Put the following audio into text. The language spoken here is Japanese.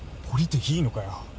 降りていいのかよ？